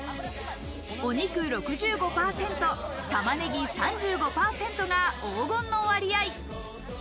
お肉６５％、玉ねぎ３５％が黄金の割合。